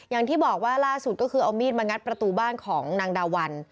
อย่างที่บอกว่าล่าสุดก็คือเอามีดมางัดประตูบ้านของนางดาวัน